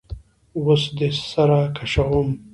وس دي سره کشوم